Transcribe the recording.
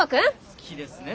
好きですね